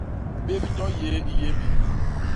Bép nyo yéé i yémbi.